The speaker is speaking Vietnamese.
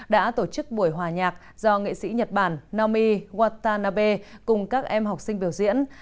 đã tổ chức buổi hòa nhạc do nghệ sĩ nhật bản nami watanabe cùng các em học sinh biểu diễn